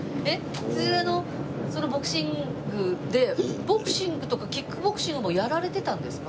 普通のそのボクシングでボクシングとかキックボクシングもやられてたんですか？